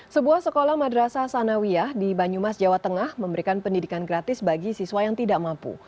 sebuah sekolah madrasah sanawiyah di banyumas jawa tengah memberikan pendidikan gratis bagi siswa yang tidak mampu